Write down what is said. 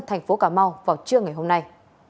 thành phố cá mau vào trưa ngày hôm nay